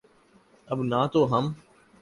اب نہ تو ہم